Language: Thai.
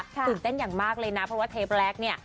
ตื่นเต้นอย่างมากเลยนะเพราะว่าเทปแรกเนี่ย